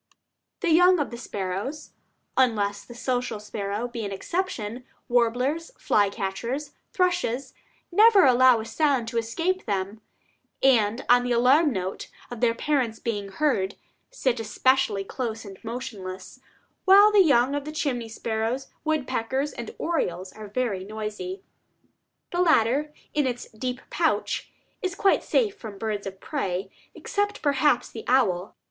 The young of the sparrows, unless the social sparrow be an exception, warblers, fly catchers, thrushes, never allow a sound to escape them; and on the alarm note of their parents being heard, sit especially close and motionless, while the young of chimney swallows, woodpeckers, and orioles are very noisy. The latter, in its deep pouch, is quite safe from birds of prey, except perhaps the owl.